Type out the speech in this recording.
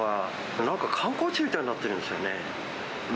なんか観光地みたいになってるんですよね。